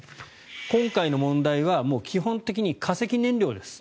今回の問題は基本的に化石燃料です。